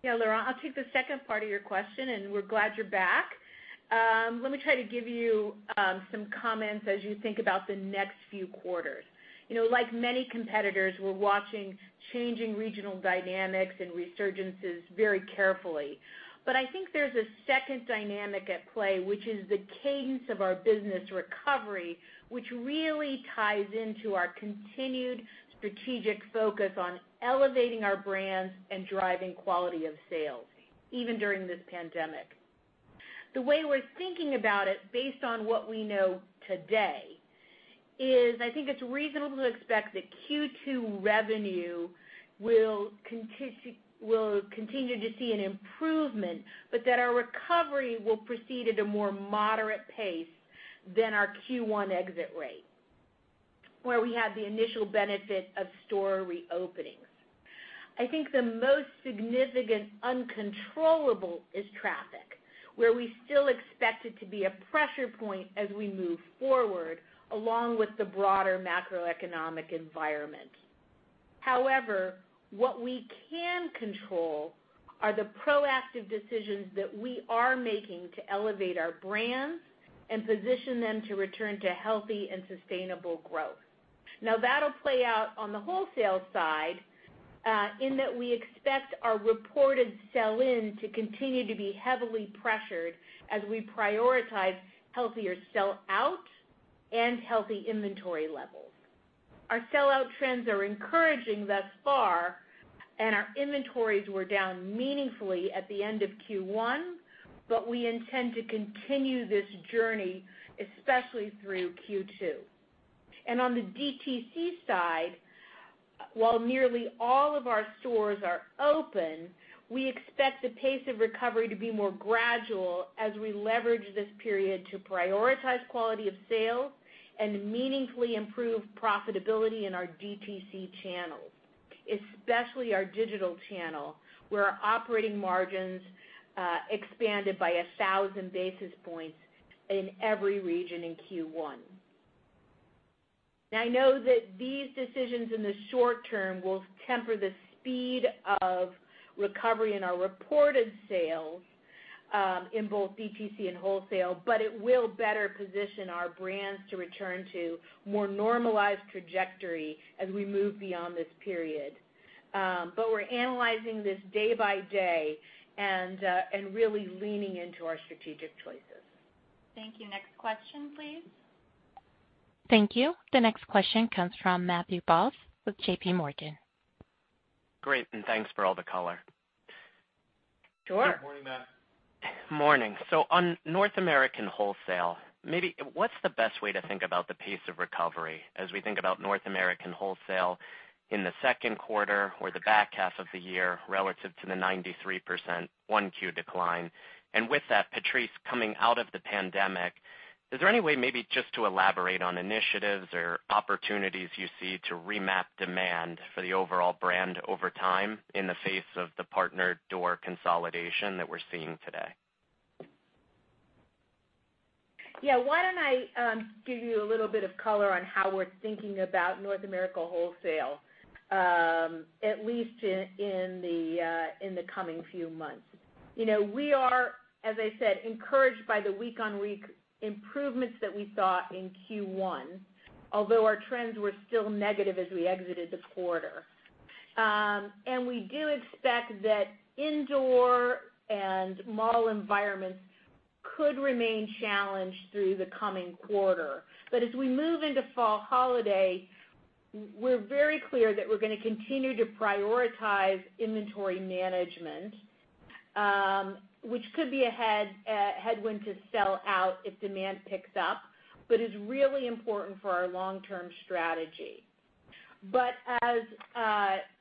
Yeah, Laurent, I'll take the second part of your question, and we're glad you're back. Let me try to give you some comments as you think about the next few quarters. Like many competitors, we're watching changing regional dynamics and resurgences very carefully. I think there's a second dynamic at play, which is the cadence of our business recovery, which really ties into our continued strategic focus on elevating our brands and driving quality of sales, even during this pandemic. The way we're thinking about it, based on what we know today, is I think it's reasonable to expect that Q2 revenue will continue to see an improvement, but that our recovery will proceed at a more moderate pace than our Q1 exit rate, where we had the initial benefit of store reopenings. I think the most significant uncontrollable is traffic, where we still expect it to be a pressure point as we move forward, along with the broader macroeconomic environment. However, what we can control are the proactive decisions that we are making to elevate our brands and position them to return to healthy and sustainable growth. Now, that'll play out on the wholesale side, in that we expect our reported sell-in to continue to be heavily pressured as we prioritize healthier sell-out and healthy inventory levels. Our sell-out trends are encouraging thus far, and our inventories were down meaningfully at the end of Q1, but we intend to continue this journey, especially through Q2. On the DTC side, while nearly all of our stores are open, we expect the pace of recovery to be more gradual as we leverage this period to prioritize quality of sales and meaningfully improve profitability in our DTC channels, especially our digital channel, where our operating margins expanded by 1,000 basis points in every region in Q1. I know that these decisions in the short term will temper the speed of recovery in our reported sales in both DTC and wholesale, but it will better position our brands to return to more normalized trajectory as we move beyond this period. We're analyzing this day by day and really leaning into our strategic choices. Thank you. Next question, please. Thank you. The next question comes from Matthew Boss with JPMorgan. Great, thanks for all the color. Sure. Good morning, Matt. Morning. On North American wholesale, what's the best way to think about the pace of recovery as we think about North American wholesale in the second quarter or the back half of the year relative to the 93% 1 Q decline? With that, Patrice, coming out of the pandemic, is there any way maybe just to elaborate on initiatives or opportunities you see to remap demand for the overall brand over time in the face of the partner door consolidation that we're seeing today? Yeah. Why don't I give you a little bit of color on how we're thinking about North America wholesale, at least in the coming few months. We are, as I said, encouraged by the week-on-week improvements that we saw in Q1, although our trends were still negative as we exited the quarter. We do expect that in-door and mall environments could remain challenged through the coming quarter. As we move into fall holiday, we're very clear that we're going to continue to prioritize inventory management, which could be a headwind to sell out if demand picks up, but is really important for our long-term strategy. As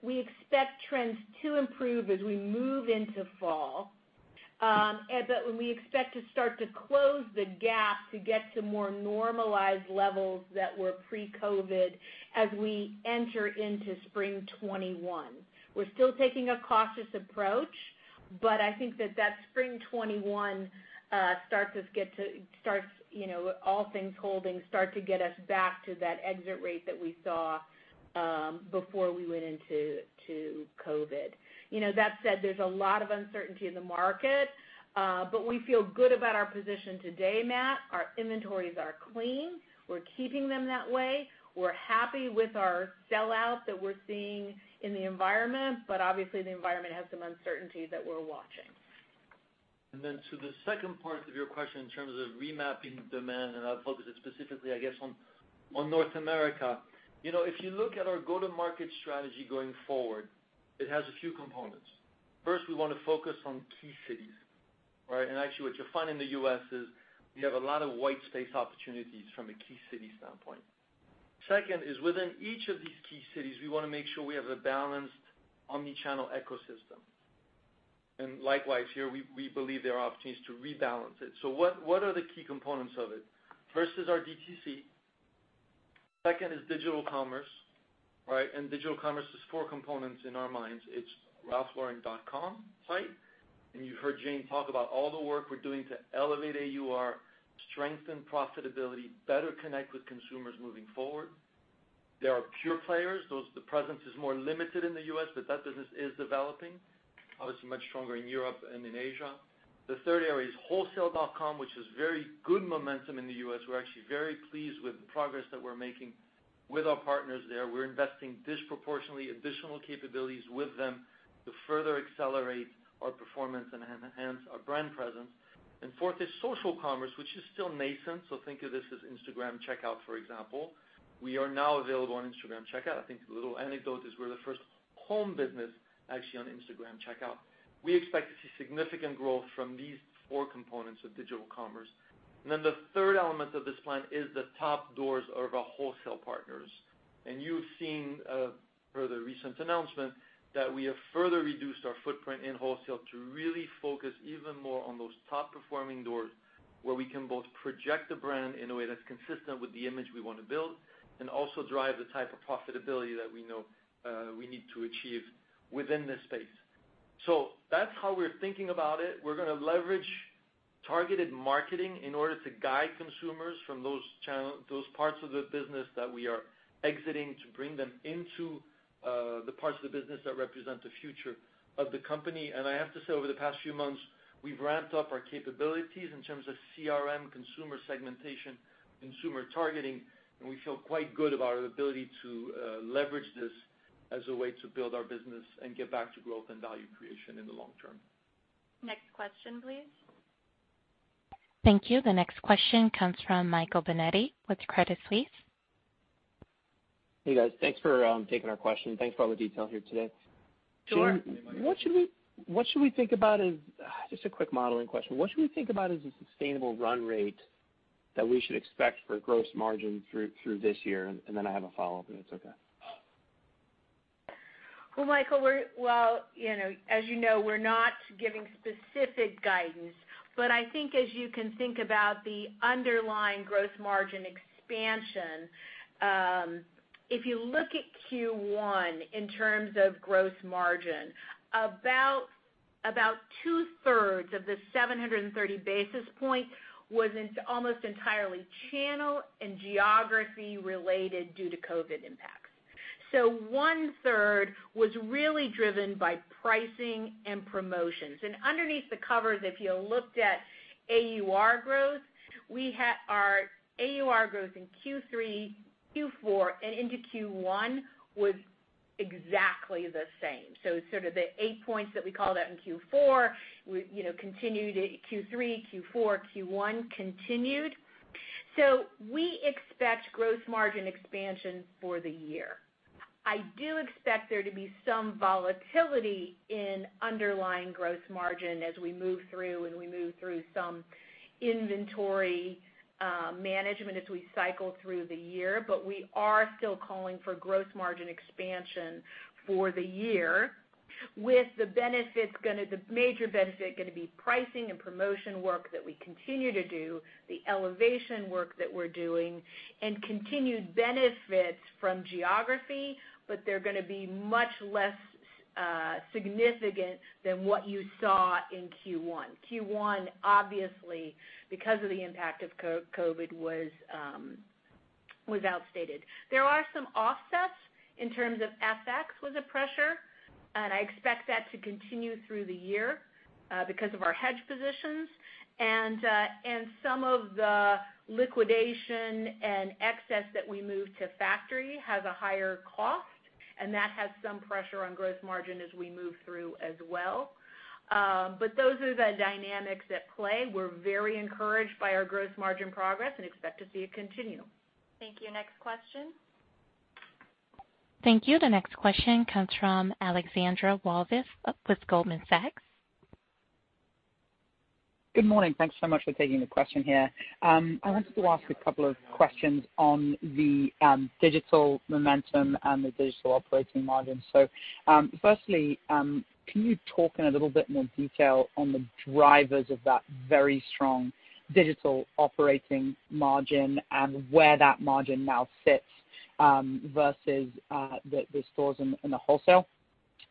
we expect trends to improve as we move into fall, but we expect to start to close the gap to get to more normalized levels that were pre-COVID-19 as we enter into spring 2021. We're still taking a cautious approach, I think that that spring 2021, all things holding, start to get us back to that exit rate that we saw before we went into COVID-19. That said, there's a lot of uncertainty in the market, we feel good about our position today, Matt. Our inventories are clean. We're keeping them that way. We're happy with our sell out that we're seeing in the environment, obviously, the environment has some uncertainty that we're watching. To the second part of your question in terms of remapping demand, I'll focus it specifically, I guess, on North America. If you look at our go-to-market strategy going forward, it has a few components. First, we want to focus on key cities. Actually, what you'll find in the U.S. is we have a lot of white space opportunities from a key city standpoint. Second is within each of these key cities, we want to make sure we have a balanced omni-channel ecosystem. Likewise here, we believe there are opportunities to rebalance it. What are the key components of it? First is our DTC, second is digital commerce. Digital commerce is four components in our minds. It's ralphlauren.com site, and you heard Jane talk about all the work we're doing to elevate AUR, strengthen profitability, better connect with consumers moving forward. There are pure players. The presence is more limited in the U.S., but that business is developing. Obviously, much stronger in Europe and in Asia. The third area is wholesale.com, which is very good momentum in the U.S. We're actually very pleased with the progress that we're making with our partners there. We're investing disproportionately additional capabilities with them to further accelerate our performance and enhance our brand presence. Fourth is social commerce, which is still nascent, so think of this as Instagram Checkout, for example. We are now available on Instagram Checkout. I think the little anecdote is we're the first home business actually on Instagram Checkout. We expect to see significant growth from these four components of digital commerce. The third element of this plan is the top doors of our wholesale partners. You've seen per the recent announcement that we have further reduced our footprint in wholesale to really focus even more on those top-performing doors, where we can both project the brand in a way that's consistent with the image we want to build, and also drive the type of profitability that we know we need to achieve within this space. That's how we're thinking about it. We're going to leverage targeted marketing in order to guide consumers from those parts of the business that we are exiting to bring them into the parts of the business that represent the future of the company. I have to say, over the past few months, we've ramped up our capabilities in terms of CRM, consumer segmentation, consumer targeting, and we feel quite good about our ability to leverage this as a way to build our business and get back to growth and value creation in the long term. Next question, please. Thank you. The next question comes from Michael Binetti with Credit Suisse. Hey, guys. Thanks for taking our question. Thanks for all the detail here today. Sure. Hey, Michael. Just a quick modeling question. What should we think about as a sustainable run rate that we should expect for gross margin through this year? I have a follow-up, if that's okay. Well, Michael, as you know, we're not giving specific guidance. I think as you can think about the underlying gross margin expansion, if you look at Q1 in terms of gross margin, about two-thirds of the 730 basis point was almost entirely channel and geography related due to COVID impacts. One third was really driven by pricing and promotions. Underneath the covers, if you looked at AUR growth, our AUR growth in Q3, Q4, and into Q1 was exactly the same. It's sort of the eight points that we called out in Q4, continued Q3, Q4, Q1 continued. We expect gross margin expansion for the year. I do expect there to be some volatility in underlying gross margin as we move through some inventory management as we cycle through the year. We are still calling for gross margin expansion for the year with the major benefit going to be pricing and promotion work that we continue to do, the elevation work that we're doing, and continued benefits from geography. They're going to be much less significant than what you saw in Q1. Q1, obviously, because of the impact of COVID was outsized. There are some offsets in terms of FX was a pressure, and I expect that to continue through the year because of our hedge positions. Some of the liquidation and excess that we moved to factory has a higher cost, and that has some pressure on gross margin as we move through as well. Those are the dynamics at play. We're very encouraged by our gross margin progress and expect to see it continue. Thank you. Next question. Thank you. The next question comes from Alexandra Walvis with Goldman Sachs. Good morning. Thanks so much for taking the question here. I wanted to ask a couple of questions on the digital momentum and the digital operating margin. Firstly, can you talk in a little bit more detail on the drivers of that very strong digital operating margin and where that margin now sits versus the stores in the wholesale?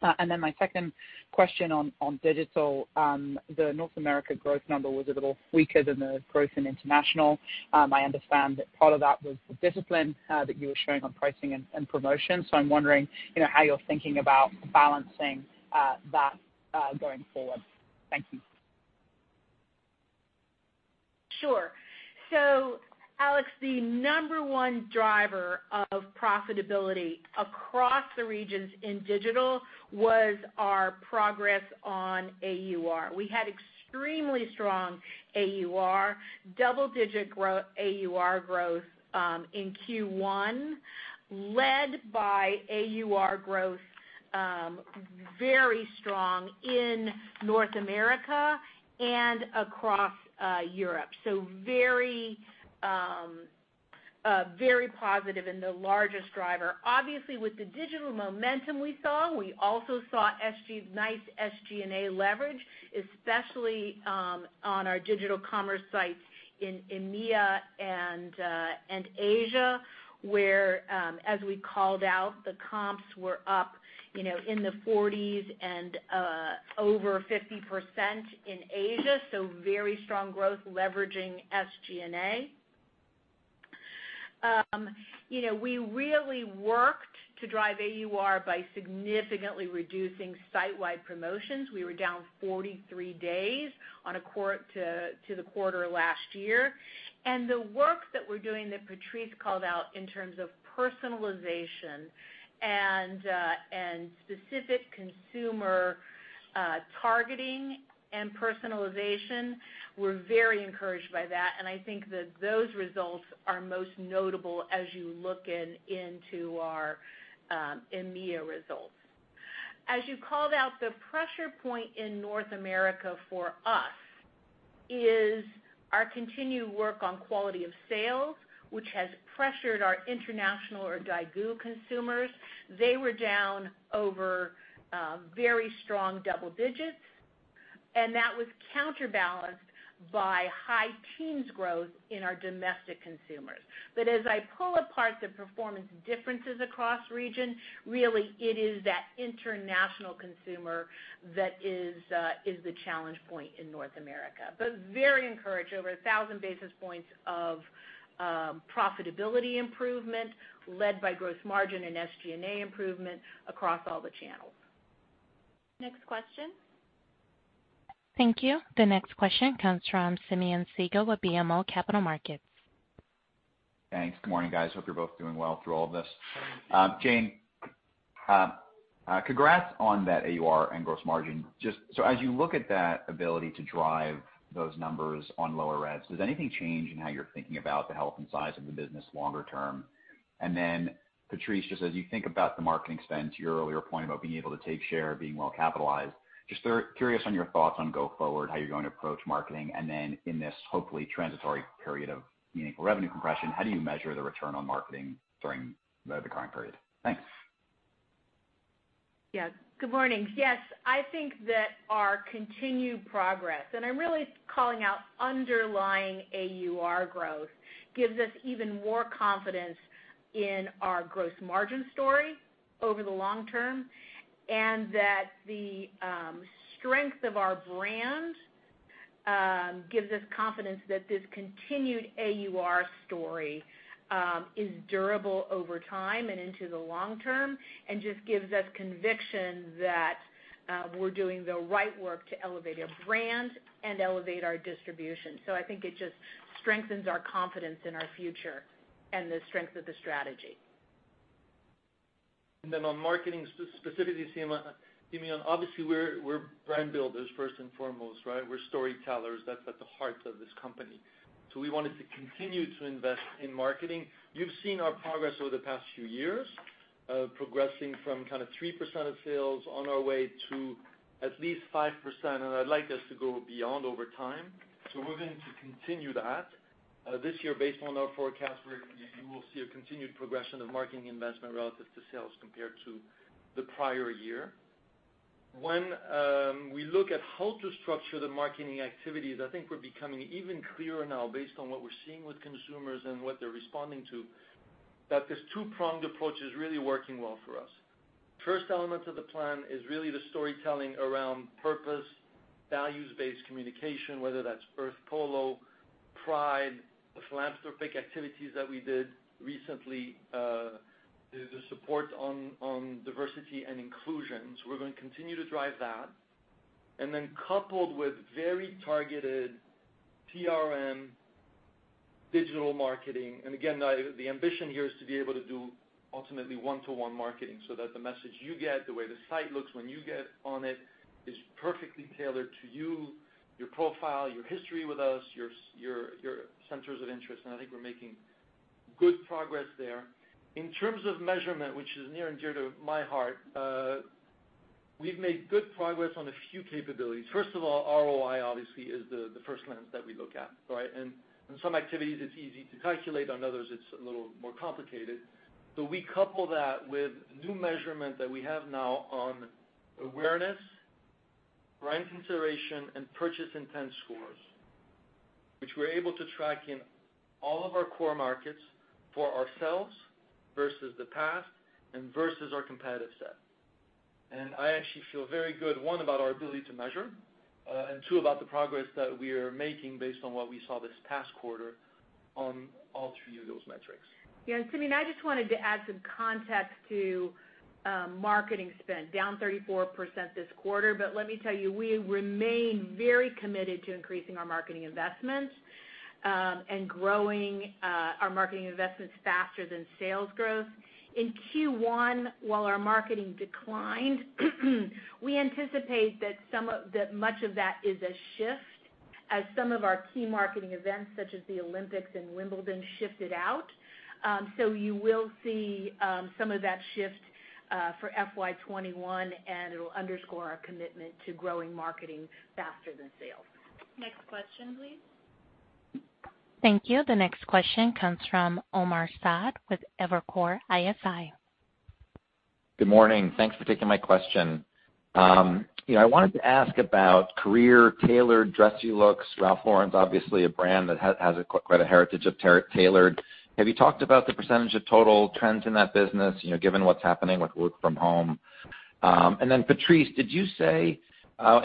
My second question on digital, the North America growth number was a little weaker than the growth in international. I understand that part of that was the discipline that you were showing on pricing and promotion. I'm wondering how you're thinking about balancing that going forward. Thank you. Sure. Alex, the number one driver of profitability across the regions in digital was our progress on AUR. We had extremely strong AUR, double-digit AUR growth in Q1, led by AUR growth very strong in North America and across Europe. Very positive and the largest driver. Obviously, with the digital momentum we saw, we also saw nice SG&A leverage, especially on our digital commerce sites in EMEA and Asia, where, as we called out, the comps were up in the 40s and over 50% in Asia. Very strong growth leveraging SG&A. We really worked to drive AUR by significantly reducing site-wide promotions. We were down 43 days to the quarter last year. The work that we're doing that Patrice called out in terms of personalization and specific consumer targeting and personalization, we're very encouraged by that, and I think that those results are most notable as you look into our EMEA results. As you called out, the pressure point in North America for us is our continued work on quality of sales, which has pressured our international or daigou consumers. They were down over very strong double digits, and that was counterbalanced by high teens growth in our domestic consumers. As I pull apart the performance differences across regions, really it is that international consumer that is the challenge point in North America. Very encouraged, over 1,000 basis points of profitability improvement led by growth margin and SG&A improvement across all the channels. Next question. Thank you. The next question comes from Simeon Siegel with BMO Capital Markets. Thanks. Good morning, guys. Hope you're both doing well through all of this. Jane, congrats on that AUR and gross margin. As you look at that ability to drive those numbers on lower ads, does anything change in how you're thinking about the health and size of the business longer term? Patrice, just as you think about the marketing spend, to your earlier point about being able to take share, being well capitalized, just curious on your thoughts on go forward, how you're going to approach marketing, and then in this hopefully transitory period of meaningful revenue compression, how do you measure the return on marketing during the current period? Thanks. Yeah. Good morning. Yes, I think that our continued progress, and I'm really calling out underlying AUR growth, gives us even more confidence in our gross margin story over the long term. The strength of our brand gives us confidence that this continued AUR story is durable over time and into the long term, and just gives us conviction that we're doing the right work to elevate our brand and elevate our distribution. I think it just strengthens our confidence in our future and the strength of the strategy. On marketing specifically, Simeon, obviously we're brand builders first and foremost, right. We're storytellers. That's at the heart of this company. We wanted to continue to invest in marketing. You've seen our progress over the past few years, progressing from 3% of sales on our way to at least 5%, and I'd like us to go beyond over time. We're going to continue that. This year, based on our forecast, you will see a continued progression of marketing investment relative to sales compared to the prior year. When we look at how to structure the marketing activities, I think we're becoming even clearer now based on what we're seeing with consumers and what they're responding to, that this two-pronged approach is really working well for us. First element of the plan is really the storytelling around purpose, values-based communication, whether that's Earth Polo, Pride, the philanthropic activities that we did recently, the support on diversity and inclusion. We're going to continue to drive that. Coupled with very targeted CRM digital marketing, and again, the ambition here is to be able to do ultimately one-to-one marketing so that the message you get, the way the site looks when you get on it, is perfectly tailored to you, your profile, your history with us, your centers of interest, and I think we're making good progress there. In terms of measurement, which is near and dear to my heart, we've made good progress on a few capabilities. First of all, ROI obviously is the first lens that we look at, right? In some activities, it's easy to calculate. On others, it's a little more complicated. We couple that with new measurement that we have now on awareness, brand consideration, and purchase intent scores, which we're able to track in all of our core markets for ourselves versus the past and versus our competitive set. I actually feel very good, one, about our ability to measure, and two, about the progress that we are making based on what we saw this past quarter on all three of those metrics. Yeah. And Simeon, I just wanted to add some context to marketing spend, down 34% this quarter. Let me tell you, we remain very committed to increasing our marketing investments, and growing our marketing investments faster than sales growth. In Q1, while our marketing declined, we anticipate that much of that is a shift as some of our key marketing events, such as the Olympics and Wimbledon, shifted out. You will see some of that shift for FY 2021, and it'll underscore our commitment to growing marketing faster than sales. Next question, please. Thank you. The next question comes from Omar Saad with Evercore ISI. Good morning. Thanks for taking my question. I wanted to ask about career tailored dressy looks. Ralph Lauren is obviously a brand that has quite a heritage of tailored. Have you talked about the percentage of total trends in that business, given what's happening with work from home? Then Patrice, did you say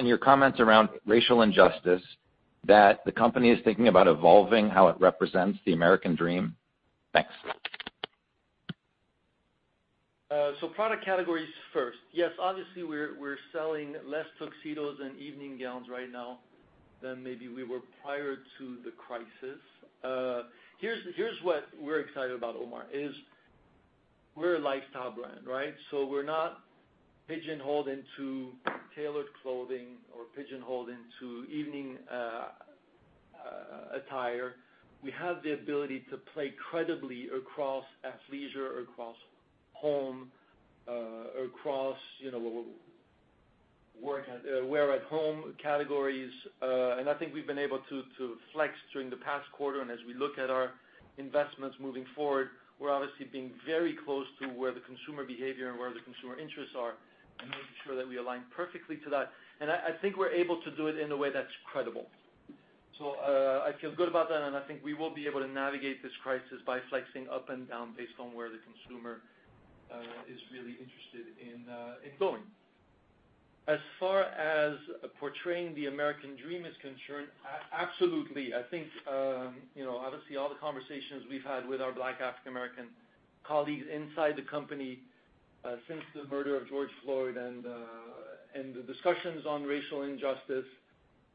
in your comments around racial injustice that the company is thinking about evolving how it represents the American dream? Thanks. Product categories first. Yes, obviously, we're selling less tuxedos and evening gowns right now than maybe we were prior to the crisis. Here's what we're excited about, Omar, is we're a lifestyle brand, right? We're not pigeonholed into tailored clothing or pigeonholed into evening attire. We have the ability to play credibly across athleisure, across home, across wear-at-home categories. I think we've been able to flex during the past quarter, and as we look at our investments moving forward, we're obviously being very close to where the consumer behavior and where the consumer interests are, and making sure that we align perfectly to that. I think we're able to do it in a way that's credible. I feel good about that, and I think we will be able to navigate this crisis by flexing up and down based on where the consumer is really interested in going. As far as portraying the American dream is concerned, absolutely. I think, obviously all the conversations we've had with our Black African American colleagues inside the company since the murder of George Floyd and the discussions on racial injustice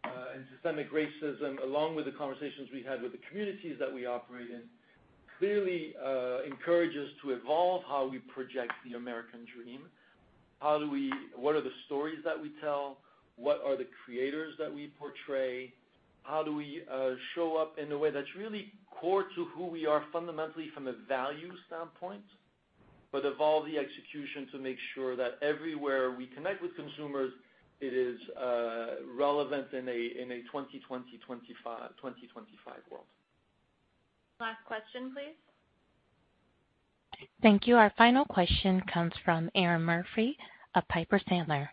and systemic racism, along with the conversations we had with the communities that we operate in, clearly encourage us to evolve how we project the American dream. What are the stories that we tell? What are the creators that we portray? How do we show up in a way that's really core to who we are fundamentally from a value standpoint, but evolve the execution to make sure that everywhere we connect with consumers, it is relevant in a 2020, 2025 world. Last question, please. Thank you. Our final question comes from Erinn Murphy of Piper Sandler.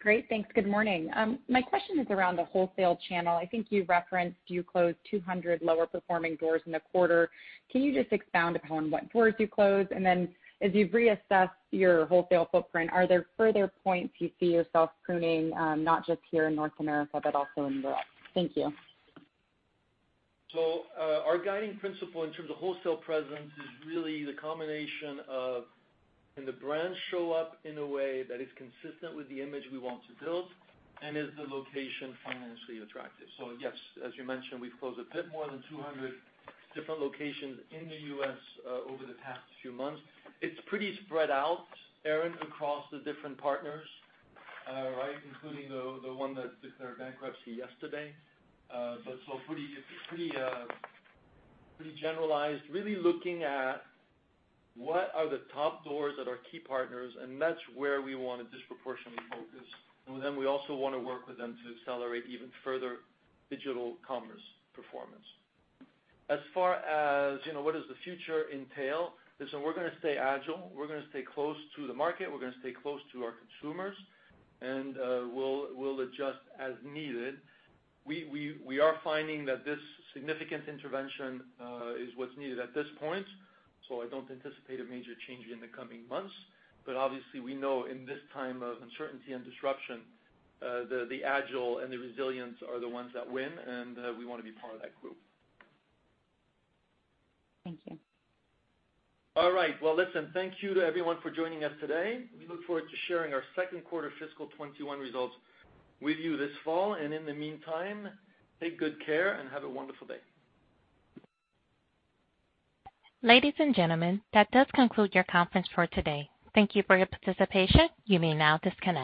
Great. Thanks. Good morning. My question is around the wholesale channel. I think you referenced you closed 200 lower-performing doors in the quarter. Can you just expound upon what doors you closed? As you've reassessed your wholesale footprint, are there further points you see yourself pruning, not just here in North America, but also in Europe? Thank you. Our guiding principle in terms of wholesale presence is really the combination of, can the brands show up in a way that is consistent with the image we want to build, and is the location financially attractive? Yes, as you mentioned, we've closed a bit more than 200 different locations in the U.S. over the past few months. It's pretty spread out, Erinn, across the different partners, right, including the one that declared bankruptcy yesterday. Pretty generalized. Really looking at what are the top doors at our key partners, and that's where we want to disproportionately focus. We also want to work with them to accelerate even further digital commerce performance. As far as what does the future entail? Listen, we're going to stay agile. We're going to stay close to the market. We're going to stay close to our consumers. We'll adjust as needed. We are finding that this significant intervention is what's needed at this point, so I don't anticipate a major change in the coming months. Obviously, we know in this time of uncertainty and disruption, the agile and the resilient are the ones that win, and we want to be part of that group. Thank you. All right. Well, listen, thank you to everyone for joining us today. We look forward to sharing our second quarter fiscal 2021 results with you this fall. In the meantime, take good care and have a wonderful day. Ladies and gentlemen, that does conclude your conference for today. Thank you for your participation. You may now disconnect.